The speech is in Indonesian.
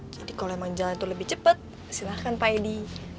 jadi kalau emang jalan tuh lebih cepet silahkan pak edi